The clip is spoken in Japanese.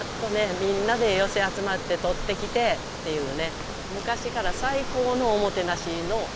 みんなで寄せ集まってとってきてっていうね。